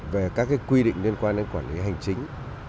về các quy định liên quan đến quản lý hành chính